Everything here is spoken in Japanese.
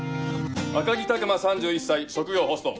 赤城琢磨３１歳職業ホスト。